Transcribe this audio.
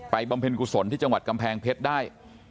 บำเพ็ญกุศลที่จังหวัดกำแพงเพชรได้